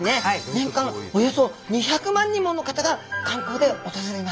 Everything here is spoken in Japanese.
年間およそ２００万人もの方が観光で訪れます。